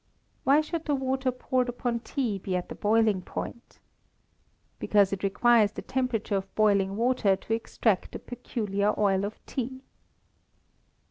Why should the water poured upon tea be at the boiling point? Because it requires the temperature of boiling water to extract the peculiar oil of tea.